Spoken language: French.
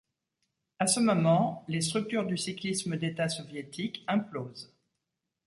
À ce moment, les structures du cyclisme d'État soviétique implosent.